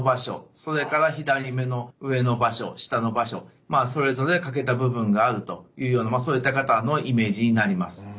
それから左目の上の場所下の場所それぞれ欠けた部分があるというようなそういったイメージになります。